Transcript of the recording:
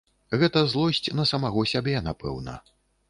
Гэта злосць на самога сябе, напэўна.